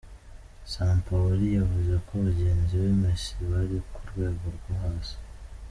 Sampaoli yavuze ko bagenzi ba Messi bari ku rwego rwo hasi.